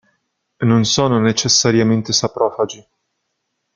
Non sono necessariamente saprofagi.